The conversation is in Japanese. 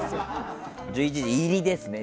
１１時入りですね。